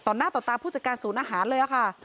หน้าต่อตาผู้จัดการศูนย์อาหารเลยค่ะ